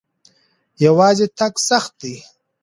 یوازې تګ سخت دی.